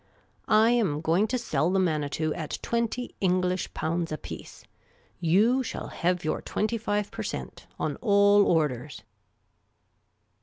I am going to sell the Manitou at twenty English pounds apiece. You shall hev your twenty five per cent, on all orders."